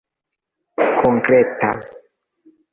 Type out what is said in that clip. konkreta